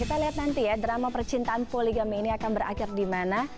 kita lihat nanti ya drama percintaan poligami ini akan berakhir di mana